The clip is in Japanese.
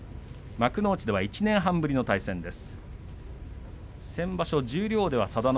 幕内では１年半ぶりの対戦です。